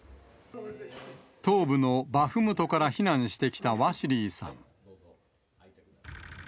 東部のバフムトから避難してきたワシリーさん。